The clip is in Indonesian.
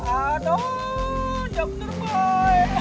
aduh jangan bener boy